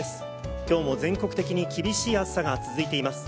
今日も全国的に厳しい暑さが続いています。